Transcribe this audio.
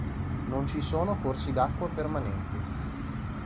Non ci sono corsi d'acqua permanenti.